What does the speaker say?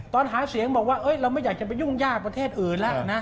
ตอนหาเสียงบอกว่าเราไม่อยากจะไปยุ่งยากประเทศอื่นแล้วนะ